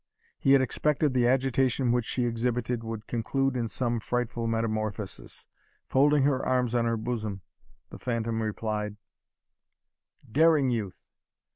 He had expected the agitation which she exhibited would conclude in some frightful metamorphosis. Folding her arms on her bosom, the phantom replied, "Daring youth!